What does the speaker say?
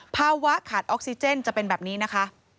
ภาวะขาดออกซิเจนจะเป็นแบบนี้นะคะ